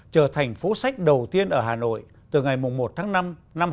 trở thành phố sách đầu tiên ở hà nội từ ngày một tháng năm năm hai nghìn hai mươi